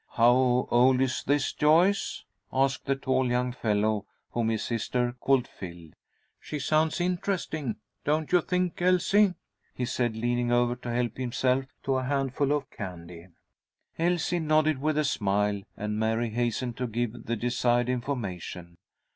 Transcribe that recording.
"How old is this Joyce?" asked the tall young fellow whom his sister called Phil. "She sounds interesting, don't you think, Elsie?" he said, leaning over to help himself to a handful of candy. Elsie nodded with a smile, and Mary hastened to give the desired information.